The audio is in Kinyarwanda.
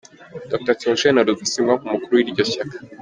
Dr. Theogene Rudasingwa, nk’umukuru w’iryo shyaka